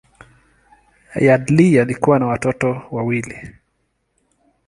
Headlee alikuwa na watoto wawili.